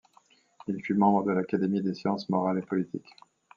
Il fut membre de l'Académie des sciences morales et politiques.